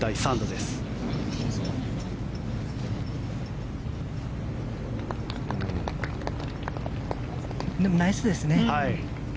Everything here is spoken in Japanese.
でもナイスですね。